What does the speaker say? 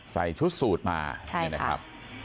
ใส่ชุดสูตรมานี่นะครับ